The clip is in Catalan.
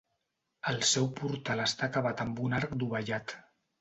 El seu portal està acabat amb un arc dovellat.